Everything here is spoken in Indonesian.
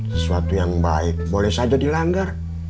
sesuatu yang baik boleh saja dilanggar